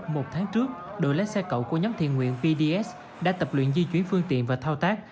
một tháng trước đội lái xe cậu của nhóm thiện nguyện vds đã tập luyện di chuyển phương tiện và thao tác